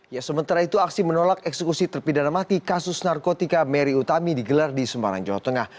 ya sementara itu aksi menolak eksekusi terpidana mati kasus narkotika mary utami digelar di semarang jawa tengah